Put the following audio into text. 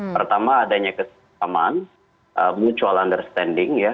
pertama adanya kesamaan mutual understanding ya